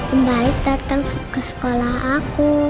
om baik datang ke sekolah aku